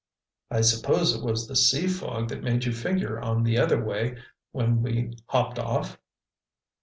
"I suppose it was the sea fog that made you figure on the other way when we hopped off?"